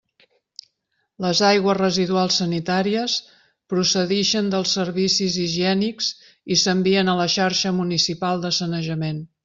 Les aigües residuals sanitàries procedixen dels servicis higiènics i s'envien a la xarxa municipal de sanejament.